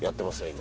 今。